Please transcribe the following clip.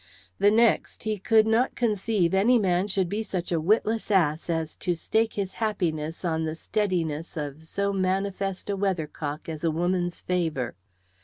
The next he could not conceive any man should be such a witless ass as to stake his happiness on the steadiness of so manifest a weathercock as a woman's favour.